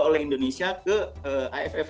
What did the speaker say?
oleh indonesia ke aff